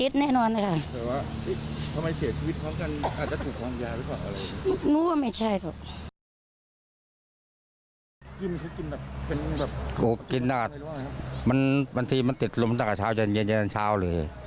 บอดมันติดลมตั้งแต่เช้าร้านเย็นเช้าเลย